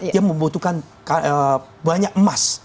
dia membutuhkan banyak emas